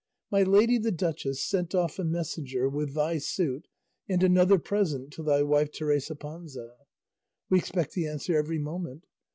My lady the duchess sent off a messenger with thy suit and another present to thy wife Teresa Panza; we expect the answer every moment.